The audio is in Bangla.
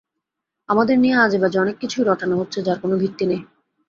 আমাদের নিয়ে আজেবাজে অনেক কিছুই রটানো হচ্ছে যার কোনো ভিত্তি নেই।